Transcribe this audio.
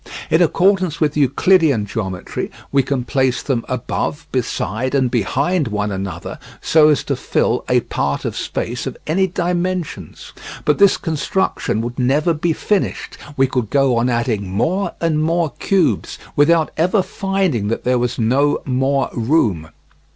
In accordance with Euclidean geometry we can place them above, beside, and behind one another so as to fill a part of space of any dimensions; but this construction would never be finished; we could go on adding more and more cubes without ever finding that there was no more room.